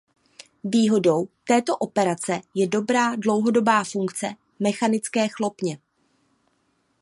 Výhodou této operace je dobrá dlouhodobá funkce mechanické chlopně.